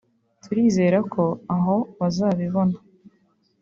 turizera ko aho bazabibona